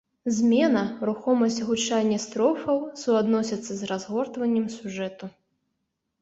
Змена, рухомасць гучання строфаў суадносяцца з разгортваннем сюжэту.